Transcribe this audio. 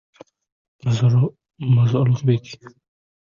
Xarakter — bu qat’iy shakllangan irodadir.